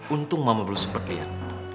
untung mama belum sempat lihat